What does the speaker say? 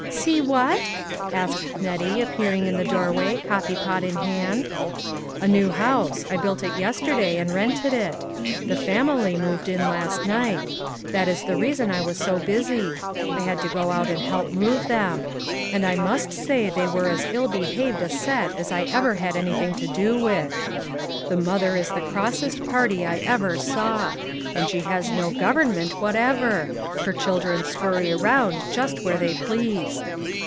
" See what ?" asked Nettie, appearing in the doorway, coffee pot in hand. "A new house. I built it yesterday, and rented it ; the family moved in last night. That is the reason I was so busy. I had to go out and help move them ; and I must say they were as ill behaved a set as I ever had anything to do with. The mother is the Grossest party I ever saw ; and she has no government whatever ; her children scurry around just where they please."